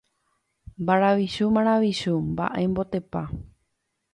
Maravichu, maravichu, mba'émotepa.